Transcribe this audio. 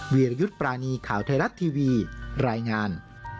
วิรยุทธ์ปรานีข่าวไทยรัฐทีวีรายงาน